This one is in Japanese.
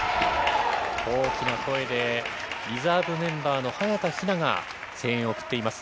大きな声でリザーブメンバーの早田ひなが声援を送っています。